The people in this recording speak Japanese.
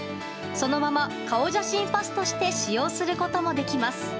そのまま顔写真パスとして使用することもできます。